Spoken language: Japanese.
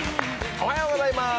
おはようございます。